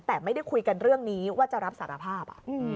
แต่ไม่ได้คุยกันเรื่องนี้ว่าจะรับสารภาพ